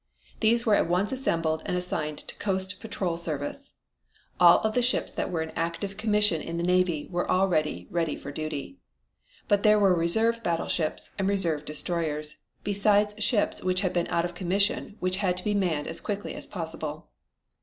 These were at once assembled and assigned to coast patrol service. All of the ships that were in active commission in the Navy were already ready for duty. But there were reserve battleships and reserve destroyers, besides ships which had been out of commission which had to be manned as quickly as possible.